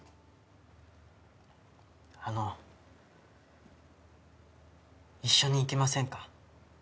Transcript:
あの一緒に行きませんか？